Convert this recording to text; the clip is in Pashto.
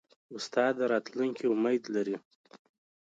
استاد د راتلونکي امید لري.